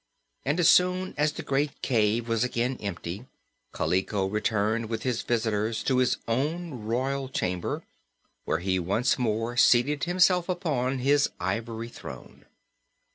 And as soon as the great cave was again empty Kaliko returned with his visitors to his own royal chamber, where he once more seated himself upon his ivory throne.